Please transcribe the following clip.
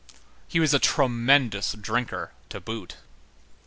He was a tremendous drinker to boot.